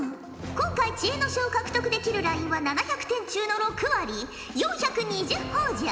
今回知恵の書を獲得できるラインは７００点中の６割４２０ほぉじゃ。